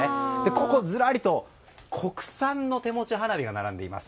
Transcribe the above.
ここ、ずらりと国産の手持ち花火が並んでいます。